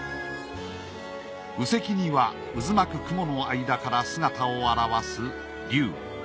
右隻には渦巻く雲の間から姿を現す龍。